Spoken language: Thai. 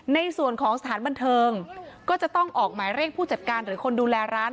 ในส่วนของสถานบันเทิงก็จะต้องออกหมายเรียกผู้จัดการหรือคนดูแลร้าน